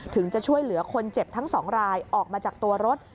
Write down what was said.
จะช่วยเหลือคนเจ็บทั้งสองรายออกมาจากตัวรถ